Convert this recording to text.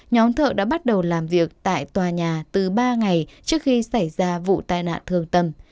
nhóm thợ đã bắt đầu làm việc tại tòa nhà từ ba ngày trước khi xảy ra vụ tai nạn thường tâm